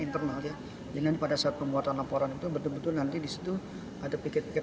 internalnya dengan pada saat pembuatan laporan itu betul betul nanti disitu ada piket piket